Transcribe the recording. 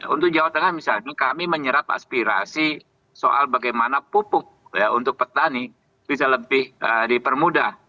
untuk jawa tengah misalnya kami menyerap aspirasi soal bagaimana pupuk untuk petani bisa lebih dipermudah